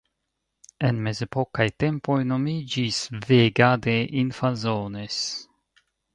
En mezepokaj tempoj nomiĝis Vega de Infanzones.